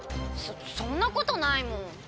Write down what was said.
そそんなことないもん。